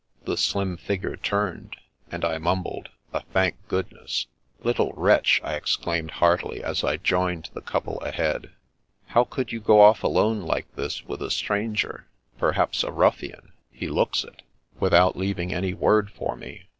The slim figure turned, and I mumbled a " Thank goodness !"" Little wretch !" I exclaimed heartily, as I joined the couple ahead. " How could you go off alone like this with a stranger, perhaps a ruffian (he looks it), without leaving any word for me